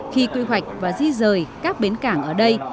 khi quy hoạch và di rời các bến cảng ở đây